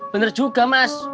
bener juga mas